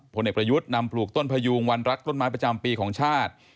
ผลเอกประยุทธ์นำปลูกต้นพยูงวันรักต้นไม้ประจำปีของชาติ